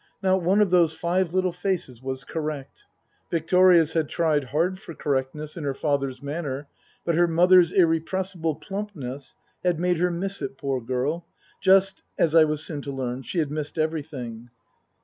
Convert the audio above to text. Not one of those five little faces was correct. Victoria's had tried hard for cor rectness in her father's manner, but her mother's irre pressible plumpness had made her miss it, poor girl, just as (I was soon to learn) she had missed everything.